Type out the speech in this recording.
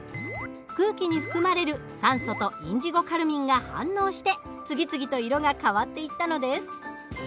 空気に含まれる酸素とインジゴカルミンが反応して次々と色が変わっていったのです。